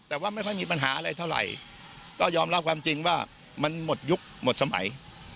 แต่ว่าไม่ค่อยมีปัญหาอะไรเท่าไหร่ก็ยอมรับความจริงว่ามันหมดยุคหมดสมัย